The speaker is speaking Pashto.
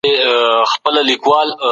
اقتصادي شرایط د هیواد په پرمختګ کي رول لري.